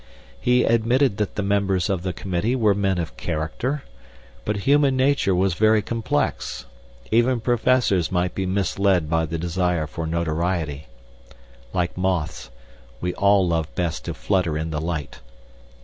He admitted that the members of the committee were men of character. But human nature was very complex. Even Professors might be misled by the desire for notoriety. Like moths, we all love best to flutter in the light.